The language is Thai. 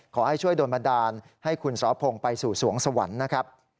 ขอให้ช่วยโดนบันดาลให้คุณสอพงศ์ไปสู่สวงสวรรค์นะครับ